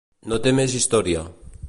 No té més història.